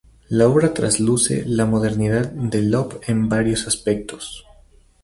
La obra trasluce la modernidad de Lope en varios aspectos.